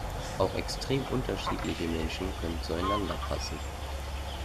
Auch extrem unterschiedliche Menschen können zueinander passen.